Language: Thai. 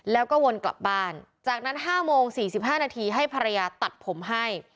แล้วก็วนกลับบ้านจากนั้น๕โมง๔๕นาทีให้ภรรยาตัดผมให้